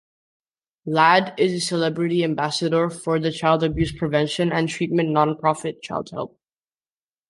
Ladd is a celebrity ambassador for the child abuse prevention and treatment non-profit Childhelp.